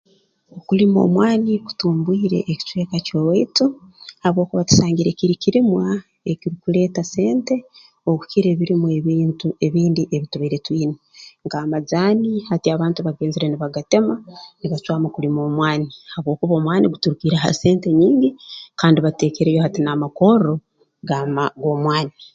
Okulima omwana kutumbwire ekicweka ky'owaitu habwokuba tusangire kiri kirimwa ekirukuleeta sente okukira ebirimwa ebintu ebindi ebitubaire twina nk'amajaani hati abantu bagenzere nibagatema nibacwamu kulima omwani habwokuba omwani guturukiire ha sente nyingi kandi bateekereyo hati n'amakorro gaama g'omwani